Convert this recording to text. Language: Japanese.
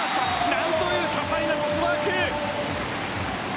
何という多彩なトスワーク。